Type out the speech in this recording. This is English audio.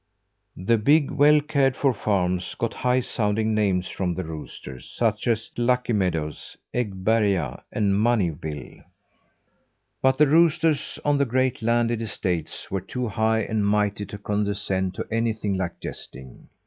The big, well cared for farms got high sounding names from the roosters such as Luckymeadows, Eggberga and Moneyville. But the roosters on the great landed estates were too high and mighty to condescend to anything like jesting.